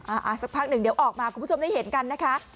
อ่าสักพักหนึ่งเดี๋ยวออกมาคุณผู้ชมได้เห็นกันนะคะ